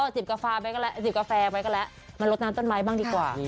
อ๋อจิบกาแฟไว้ก็แล้วมาลดน้ำต้นไม้บ้างดีกว่า